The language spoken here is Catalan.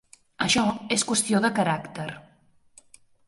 Això és qüestió de caràcter.